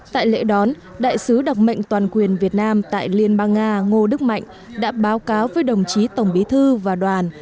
tại lễ đón đại sứ đặc mệnh toàn quyền việt nam tại liên bang nga ngô đức mạnh đã báo cáo với đồng chí tổng bí thư và đoàn